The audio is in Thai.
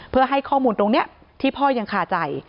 เพื่อให้ข้อมูลตรงนี้ที่พ่อยังคาใจ